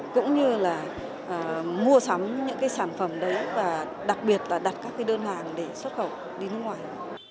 cũng như là mua sắm những cái sản phẩm đấy và đặc biệt là đặt các cái đơn hàng để xuất khẩu đi nước ngoài